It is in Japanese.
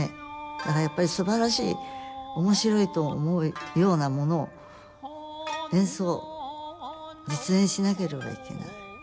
だからやっぱりすばらしい面白いと思うようなものを演奏実演しなければいけない。